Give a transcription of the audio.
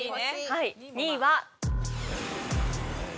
はい２位は。